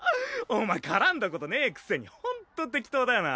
お前絡んだことねぇくせにほんと適当だよな。